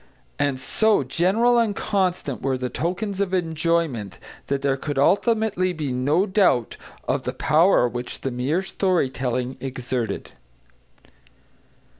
And so general and constant were the tokens of enjoyment that there could ultimately be no doubt of the power which the mere story telling exerted.